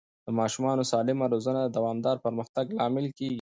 د ماشوم سالمه روزنه د دوامدار پرمختګ لامل کېږي.